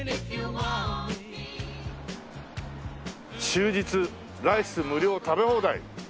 「終日ライス無料食べ放題」